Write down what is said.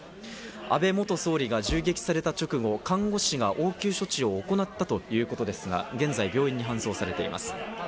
安倍元総理が銃撃された直後、看護師が応急処置を行ったということですが、現在、病院に搬送されています。